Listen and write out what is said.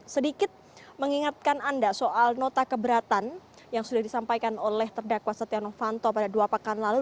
sedikit mengingatkan anda soal nota keberatan yang sudah disampaikan oleh terdakwa setia novanto pada dua pekan lalu